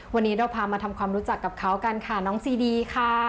วันนี้เราพามาทำความรู้จักกับเขากันค่ะน้องซีดีค่ะ